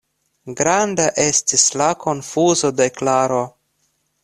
Granda estis la konfuzo de Klaro.